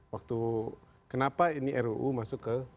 waktu kenapa ini ruu masuk ke